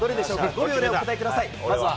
５秒でお答えください。